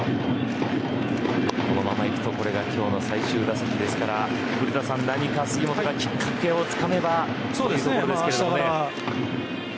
このままいくとこれが今日の最終打席ですから何か杉本がきっかけをつかめばというところですけど。